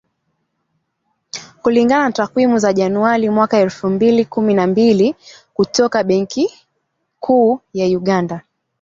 Kulingana na takwimu za Januari mwaka wa elfu mbili kumi na mbili, kutoka Benki Kuu ya Uganda.